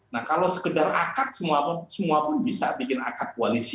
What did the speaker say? nah kalau sekedar akad semua pun bisa bikin akad koalisi